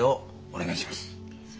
お願いします。